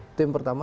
itu yang pertama